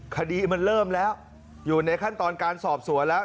คดีมันเริ่มแล้วอยู่ในขั้นตอนการสอบสวนแล้ว